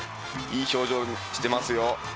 いい表情してますよ